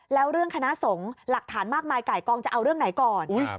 แล้วเรื่องคณะสงฆ์หลักฐานมากมายไก่กองจะเอาเรื่องไหนก่อน